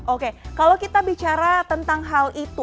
oke kalau kita bicara tentang hal itu